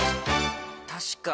確か。